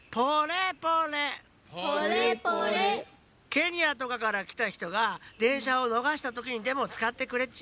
ケニアとかからきたひとがでんしゃをのがしたときにでもつかってくれっち。